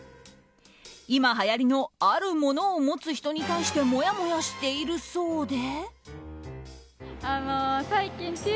今はやりのあるものを持つ人に対してもやもやしているそうで。